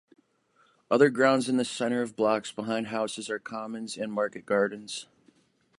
Other grounds in the center of blocks behind houses are commons and market gardens.